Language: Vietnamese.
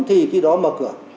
thì khi đó mở cửa